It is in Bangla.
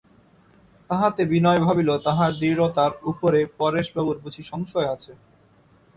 তাহাতে বিনয় ভাবিল তাহার দৃঢ়তার উপর পরেশবাবুর বুঝি সংশয় আছে।